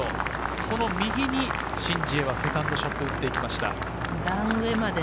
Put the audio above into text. その右にシン・ジエはセカンドショットを打っていきました。